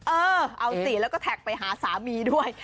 เออเอาสิแล้วก็แท็กไปหาสามีด้วย